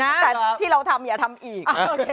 แต่ที่เราทำอย่าทำอีก